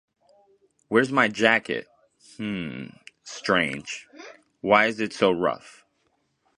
Where's my jacket? Hmm, strange. Why is it so rough?